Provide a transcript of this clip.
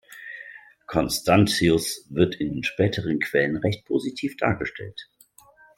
Constantius wird in den späteren Quellen recht positiv dargestellt.